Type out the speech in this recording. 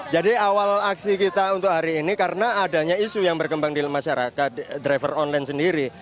jadi awal aksi kita untuk hari ini karena adanya isu yang berkembang di masyarakat drivers online sendiri